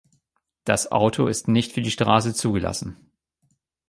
Das Auto ist nicht für die Straße zugelassen.